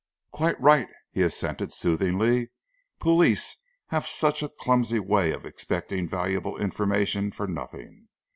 "Quite right," he assented soothingly. "Police have such a clumsy way of expecting valuable information for nothing.